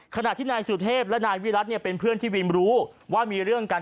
ขณะที่นายสุเทพและนายวิรัติเป็นเพื่อนที่วิมรู้ว่ามีเรื่องกัน